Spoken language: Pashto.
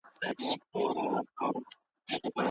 د غریب مُلا آذان ته کله چا وو غوږ نیولی